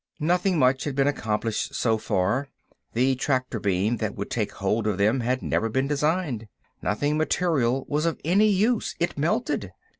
Nothing much had been accomplished so far. The tractor beam that would take hold of them had never been designed. Nothing material was of any use; it melted.